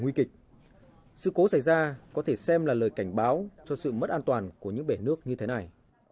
nguy kịch sự cố xảy ra có thể xem là lời cảnh báo cho sự mất an toàn của những bể nước như thế này